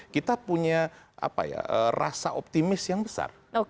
kita punya rasa optimis yang besar